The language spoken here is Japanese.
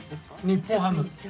日本ハム。